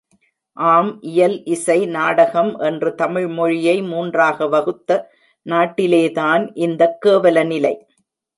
ஆம் இயல், இசை, நாடகம் என்று தமிழ்மொழியை மூன்றாக வகுத்த நாட்டிலேதான் இந்தக் கேவலநிலை.